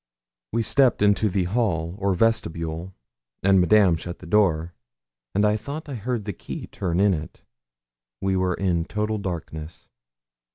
We stepped into the hall or vestibule, and Madame shut the door, and I thought I heard the key turn in it. We were in total darkness.